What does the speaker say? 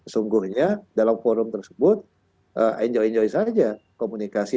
sungguhnya dalam forum tersebut enjoy enjoy saja komunikasi